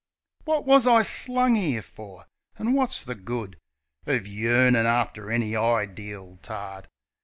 Wot wus I slung 'ere for? An' wot's the good Of yearnin' after any ideel tart?